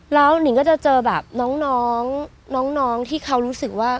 แล้วนิงก็จะเจอแบบน้องที่เขารู้สึกว่า